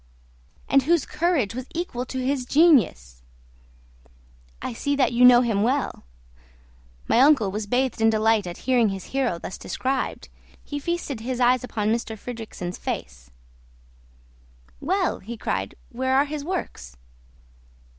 "And whose courage was equal to his genius!" "I see that you know him well." My uncle was bathed in delight at hearing his hero thus described. He feasted his eyes upon M. Fridrikssen's face. "Well," he cried, "where are his works?"